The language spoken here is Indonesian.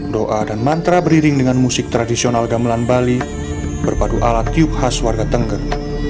doa dan mantra beriring dengan musik tradisional gamelan bali berpadu alat tiup khas warga tengger